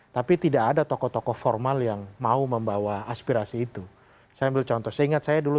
tapi tidak ada tokoh tokoh formal yang mau membawa aspirasi itu saya ambil contoh seingat saya dulu